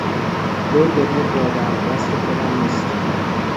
دل بهت دادم دست خودم نیست